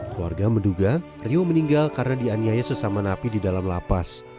keluarga menduga rio meninggal karena dianiaya sesama napi di dalam lapas